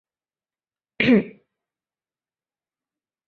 苏珊娜生于丹麦首都哥本哈根。